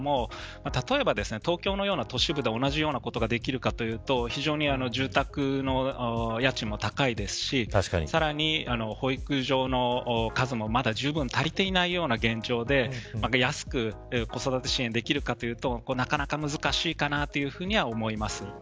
例えば東京のような都市部で同じようなことができるかというと非常に住宅の家賃も高いですしさらに保育所の数もまだじゅうぶん足りていないような現状で安く子育て支援できるかというとなかなか難しいかなというふうには思います。